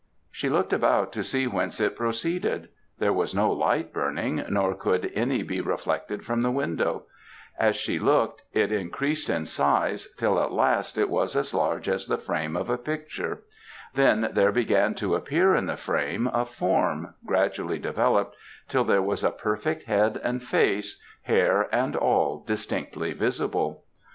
She looked about to see whence it proceeded; there was no light burning, nor could any be reflected from the window; as she looked it increased in size, till, at last, it was as large as the frame of a picture; then there began to appear in the frame a form, gradually developed, till there was a perfect head and face, hair and all, distinctly visible.